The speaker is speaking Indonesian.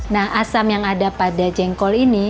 nah asam yang ada pada jengkol ini